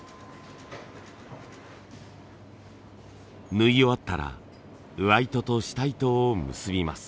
縫い終わったら上糸と下糸を結びます。